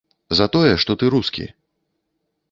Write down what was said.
За тое, што ты рускі.